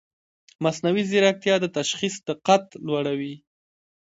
مصنوعي ځیرکتیا د تشخیص دقت لوړوي.